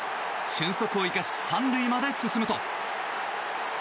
俊足を生かし３塁まで進むと。